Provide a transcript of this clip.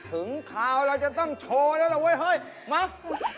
ถึงคราวเราจะต้องโชว์ไดล่ะโว้ยมา